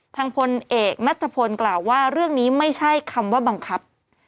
ทางผลเอกนัฐพลนาคพาณิชย์กล่าวว่าเรื่องนี้ไม่ใช่คำว่าบังคับ